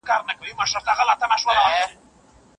هغه د ادبي پوهنو په اړه ډېر کتابونه لوستي دي.